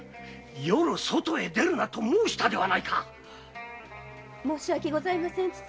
夜外へ出るなと申したではないか申し訳ございません。